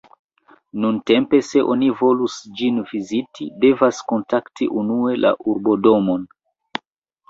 Nuntempe, se oni volus ĝin viziti, devas kontakti unue la urbo-domon.